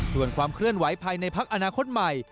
ส่วนความเคลื่อนไหวภายในพักอนาคตใหม่